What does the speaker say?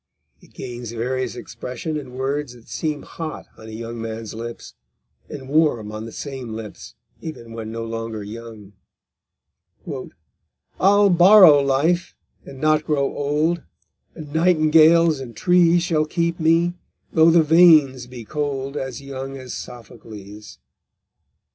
It gains various expression in words that seem hot on a young man's lips, and warm on the same lips even when no longer young: _I'll borrow life, and not grow old; And nightingales and trees Shall keep me, though the veins be cold, As young as Sophocles_.